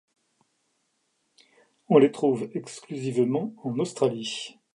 On les trouve exclusivement en Australie.